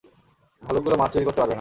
ভালুকগুলো মাছ চুরি করতে পারবে না।